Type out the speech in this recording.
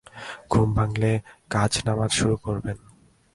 ঘুম ভাঙলে কাজ নামাজ শুরু করবেন।